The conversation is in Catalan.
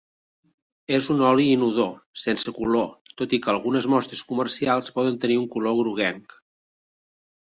És un oli inodor, sense color, tot i que algunes mostres comercials poden tenir un color groguenc.